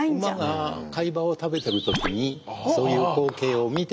馬が飼い葉を食べている時にそういう光景を見て。